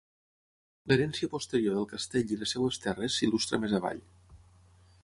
L"herència posterior del castell i les seves terres s"il·lustra més avall.